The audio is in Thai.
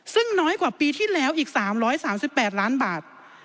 ซึ่งน้อยกว่าปีที่แล้วอีก๓๓๘ล้านบาท